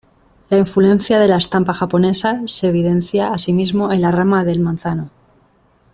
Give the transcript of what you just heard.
La influencia de la estampa japonesa se evidencia asimismo en la rama del manzano.